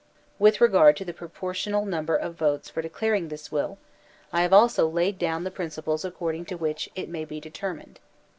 With re gard to the proportional number of votes for declaring this will, I have also laid down the principles according to which it may be determined.